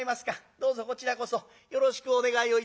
どうぞこちらこそよろしくお願いをいたします」。